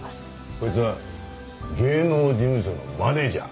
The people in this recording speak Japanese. こいつは芸能事務所のマネジャー。